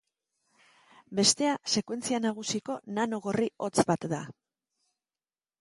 Bestea sekuentzia nagusiko nano gorri hotz bat da.